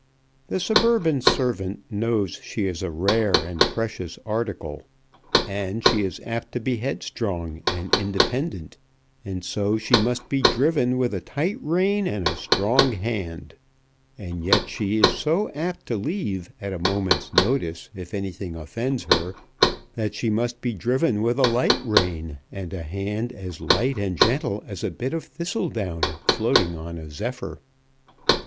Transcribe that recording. The suburban servant knows she is a rare and precious article, and she is apt to be headstrong and independent, and so she must be driven with a tight rein and strong hand, and yet she is so apt to leave at a moment's notice if anything offends her, that she must be driven with a light rein and a hand as light and gentle as a bit of thistledown floating on a zephyr.